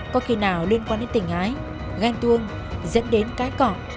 có khi nào liên quan đến tình ái gan tuông dẫn đến cái cọp